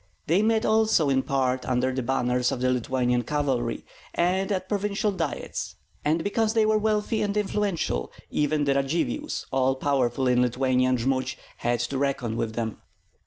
They met also in part under the banners of the Lithuanian cavalry and at provincial diets; and because they were wealthy and influential, even the Radzivills, all powerful in Lithuania and Jmud, had to reckon with them.